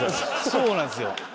そうなんですよ。